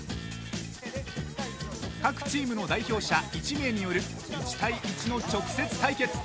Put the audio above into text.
各チームの代表者１名による１対１の直接対決。